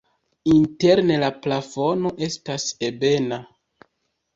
Interne la plafono estas ebena.